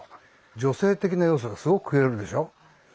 女性的な要素がすごく増えるでしょ。